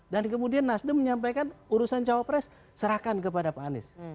dan kemudian nasdaq menyampaikan urusan cawapres serahkan kepada pak anies